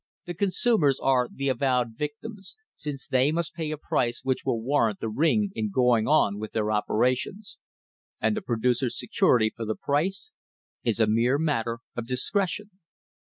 .... The consumers are the avowed victims, since they must pay a price which will warrant the ring in going on with their operations. And the producers' security for the price is a mere matter of discretion."